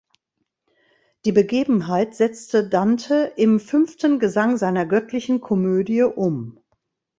Die Begebenheit setzte Dante im fünften Gesang seiner Göttlichen Komödie um.